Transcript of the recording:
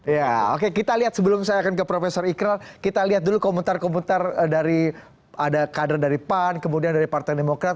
ya oke kita lihat sebelum saya akan ke profesor ikral kita lihat dulu komentar komentar dari ada kader dari pan kemudian dari partai demokrat